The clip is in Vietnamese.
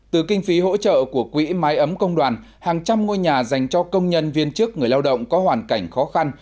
từ kinh phí hỗ trợ của quỹ máy ấm công đoàn hàng trăm ngôi nhà dành cho công nhân viên chức người lao động có hoàn cảnh khó khăn